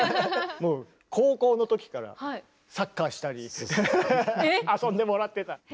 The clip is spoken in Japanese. もう高校の時からサッカーしたり遊んでもらってた。